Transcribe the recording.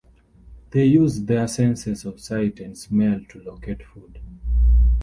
They use their senses of sight and smell to locate food.